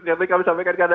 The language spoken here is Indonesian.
nanti kami sampaikan ke anda